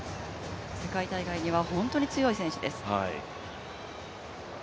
世界大会には本当に強い選手です。